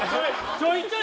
ちょいちょい。